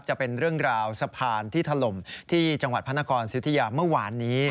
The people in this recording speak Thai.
จะเป็นเรื่องราวสะพานที่ถล่มที่จังหวัดพระนครสิทธิยาเมื่อวานนี้